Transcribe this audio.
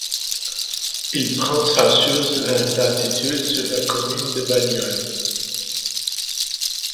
Il prend sa source vers d’altitude sur la commune de Bagnols.